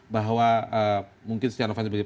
bahwa mungkin setia novanto